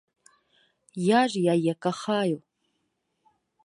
Я ж яе кахаю.